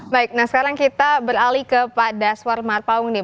baik nah sekarang kita beralih ke pak daswar marpaung nih